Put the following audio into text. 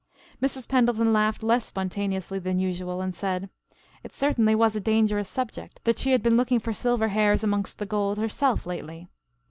Mrs. Pendleton laughed less spontaneously than usual and said, "It certainly was a dangerous subject," that "she had been looking for silver hairs amongst the gold herself lately."